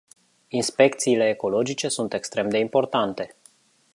Inspecțiile ecologice sunt extrem de importante.